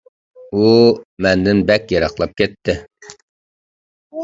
ئۇ مەندىن بەك يىراقلاپ كەتتى.